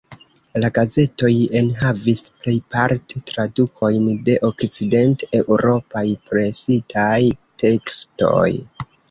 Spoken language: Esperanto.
La gazetoj enhavis plejparte tradukojn de okcident-eŭropaj presitaj tekstoj.